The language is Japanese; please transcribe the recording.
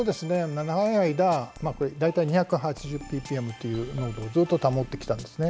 長い間大体２８０ｐｐｍという濃度をずっと保ってきたんですね。